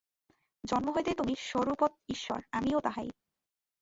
জন্ম হইতেই তুমি স্বরূপত ঈশ্বর, আমিও তাহাই।